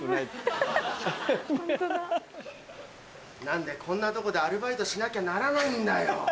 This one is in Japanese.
何でこんなとこでアルバイトしなきゃならないんだよ。